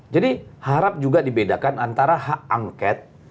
jadi harap juga dibedakan antara hak angket